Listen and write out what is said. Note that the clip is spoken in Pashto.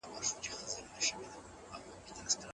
هره ورځ دلته ډېر خلک په خپلو کارونو بوخت ساتل کېږي.